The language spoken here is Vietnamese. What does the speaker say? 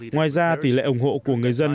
ngoài ra tỷ lệ ủng hộ của người dân